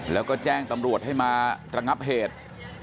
แล้วก็แจ้งตำรวจให้มาระงับเหตุ